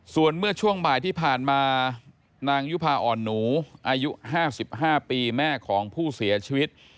ส่วนเมื่อช่วงบ่ายที่ผ่านมานางยุภาอ่อนหนูอายุ๕๕ปีแม่ของผู้เสียชีวิต